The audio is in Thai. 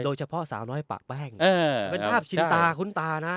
โดยเฉพาะสาวน้อยปะแป้งเป็นภาพชินตาคุ้นตานะ